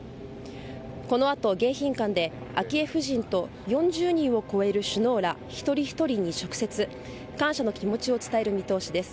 このあと、迎賓館で昭恵夫人と４０人を超える首脳ら一人ひとりに直接感謝の気持ちを伝える見通しです。